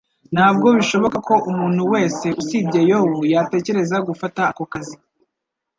Ntabwo bishoboka ko umuntu wese usibye yobu yatekereza gufata ako kazi.